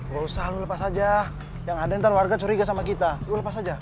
gak usah lo lepas aja yang ada ntar warga curiga sama kita lu lepas aja